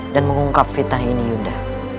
dan mengungkap fitnah ini yunda